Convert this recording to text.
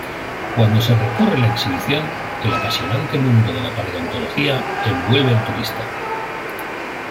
Cuando se recorre la exhibición, el apasionante mundo de la paleontología envuelve al turista.